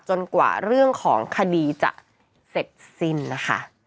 กว่าเรื่องของคดีจะเสร็จสิ้นนะคะ